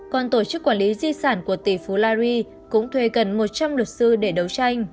còn tổ chức quản lý di sản của tỷ phú la ri cũng thuê gần một trăm linh luật sư để đấu tranh